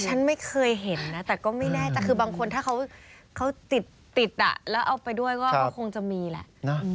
ฉันไม่เคยเห็นนะแต่ก็ไม่แน่ใจแต่คือบางคนถ้าเขาติดแล้วเอาไปด้วยก็คงจะมีแหละ